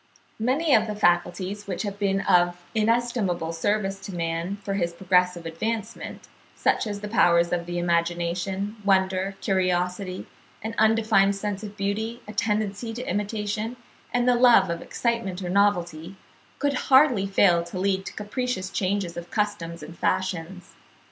Many of the faculties, which have been of inestimable service to man for his progressive advancement, such as the powers of the imagination, wonder, curiosity, an undefined sense of beauty, a tendency to imitation, and the love of excitement or novelty, could hardly fail to lead to capricious changes of customs and fashions.